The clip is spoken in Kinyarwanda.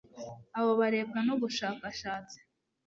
abo barebwa n'ubushakashatsi